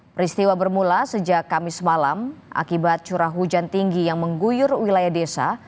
peristiwa bermula sejak kamis malam akibat curah hujan tinggi yang mengguyur wilayah desa